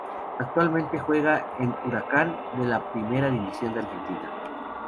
Actualmente juega en Huracán, de la Primera División de Argentina.